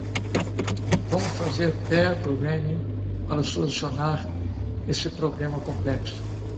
Vamos fazer pair programming para solucionar esse problema complexo.